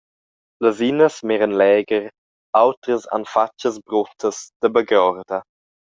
Las inas miran legher, autras han fatschas bruttas da bagorda.